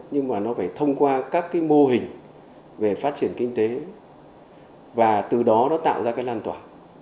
nhưng mà nó phải thông qua các cái mô hình về phát triển kinh tế và từ đó nó tạo ra cái lan tỏa